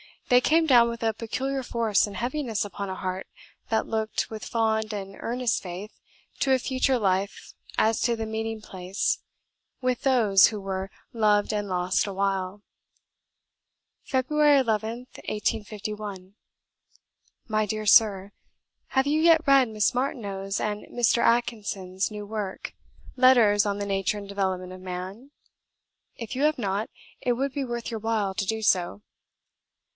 they came down with a peculiar force and heaviness upon a heart that looked, with fond and earnest faith, to a future life as to the meeting place with those who were "loved and lost awhile." "Feb. 11th, 1851. "My dear Sir, Have you yet read Miss Martineau's and Mr. Atkinson's new work, 'Letters on the Nature and Development of Man'? If you have not, it would be worth your while to do so.